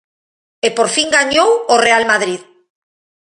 E por fin gañou o Real Madrid.